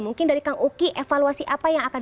mungkin dari kang uki evaluasi apa yang akan